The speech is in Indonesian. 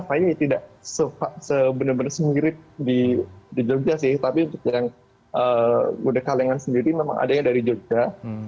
saya tidak sebenarnya semirit di jogja sih tapi untuk yang gudeg kalengan sendiri memang adanya dari jogja